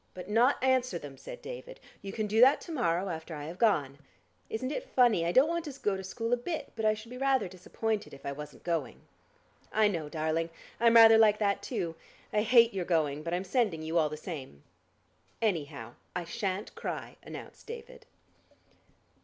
"But not answer them," said David. "You can do that to morrow after I have gone. Isn't it funny? I don't want to go to school a bit, but I should be rather disappointed if I wasn't going." "I know, darling. I'm rather like that, too. I hate your going, but I'm sending you all the same." "Anyhow, I shan't cry," announced David.